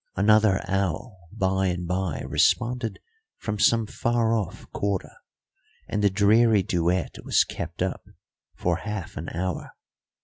Another owl by and by responded from some far off quarter, and the dreary duet was kept up for half an hour.